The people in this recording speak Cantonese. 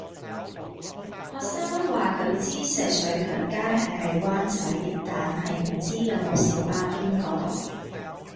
學生話佢知石水渠街係喺灣仔，但係唔知有冇小巴經嗰度